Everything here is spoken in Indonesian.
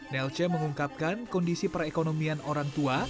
nelce mengungkapkan kondisi perekonomian orang tua